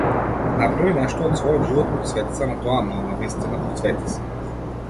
Направи нешто од својот живот, посвети се на тоа, но навистина посвети се.